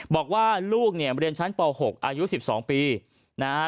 บอกว่าลูกเนี่ยเรียนชั้นป๖อายุ๑๒ปีนะฮะ